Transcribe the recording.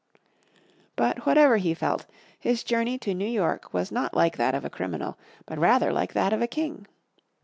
But whatever he felt, his journey to New York was not like that of a criminal, but rather like that of a king.